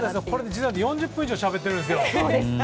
これ、実は４０分以上しゃべってるんですよ。